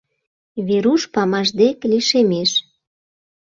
Веруш памаш дек лишемеш.